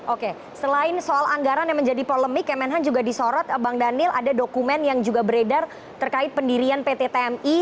oke selain soal anggaran yang menjadi polemik kemenhan juga disorot bang daniel ada dokumen yang juga beredar terkait pendirian pt tmi